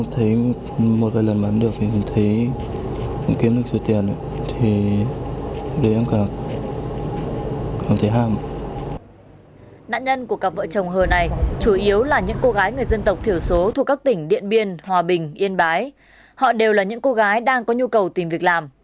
trong đó đảm bàn với tiệp tìm cách lừa bán các cô gái đang có nhu cầu xin vào làm việc tại các nhà nghỉ